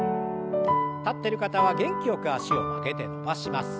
立ってる方は元気よく脚を曲げて伸ばします。